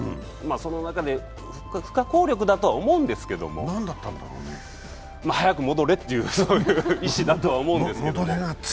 その中で、不可抗力だとは思うんですけれども早く戻れっていう意思だったとは思うんですけど。